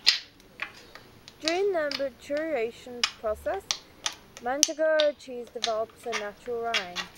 During the maturation process, manchego cheese develops a natural rind.